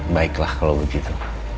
baiklah kalau begitu